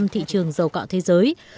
tám mươi năm thị trường dầu cọ thế giới